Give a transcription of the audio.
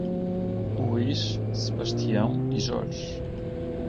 Luís, Sebastião e Jorge